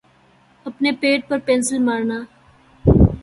پنے پیٹ پر پنسل مارنا